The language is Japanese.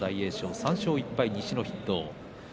３勝１敗、西の筆頭です。